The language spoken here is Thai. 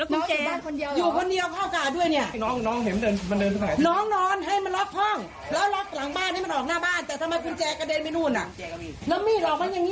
มีมีดออกมาข้างนอกใช่ไหม